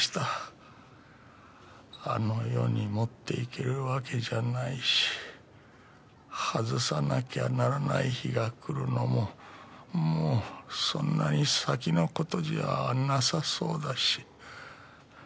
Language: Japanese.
あの世に持っていけるわけじゃないし外さなきゃならない日が来るのももうそんなに先の事じゃなさそうだし。